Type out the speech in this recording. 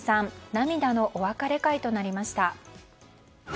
涙のお別れ会となりました。